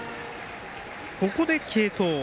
ここで継投。